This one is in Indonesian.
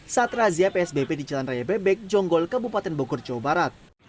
saat razia psbb di jalan raya bebek jonggol kabupaten bogor jawa barat